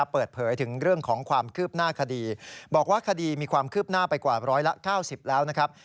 เปิดเผยถึงเรื่องของความคืบหน้าคดีบอกว่าคดีมีความคืบหน้าไปกว่าร้อยละ๙๐แล้วนะครับ